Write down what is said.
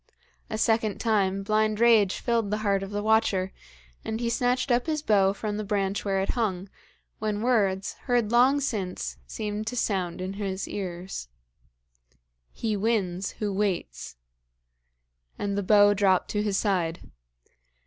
A second time blind rage filled the heart of the watcher, and he snatched up his bow from the branch where it hung, when words, heard long since, seemed to sound in his ears: 'He wins who waits.' And the bow dropped to his side.